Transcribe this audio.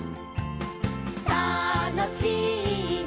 「たのしいね」